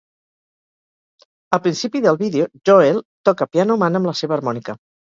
Al principi del vídeo, Joel toca "Piano Man" amb la seva harmònica.